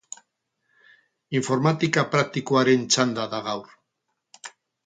Informatika praktikoaren txanda da gaur.